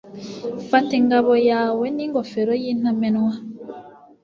Fata ingabo yawe n’ingofero y’intamenwa